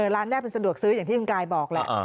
ร้านแรกเป็นสะดวกซื้ออย่างที่คุณกายบอกแหละ